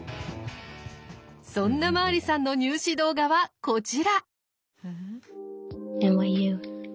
そんなマーリさんの入試動画はこちら。